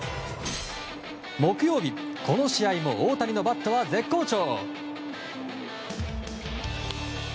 木曜日、この試合も大谷のバットは絶好調。